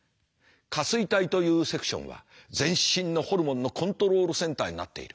下垂体というセクションは全身のホルモンのコントロールセンターになっている。